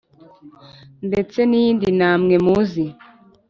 Ndetse n’iyindi namwe muzi.